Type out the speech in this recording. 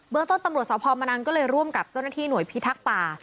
เบื้อต้นปำรวจทหมะนังก็ร่วมกับเจ้าหน้าที่หน่วยพิทักฯป่า